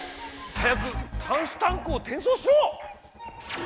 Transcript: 早くタンスタンクをてんそうしろ！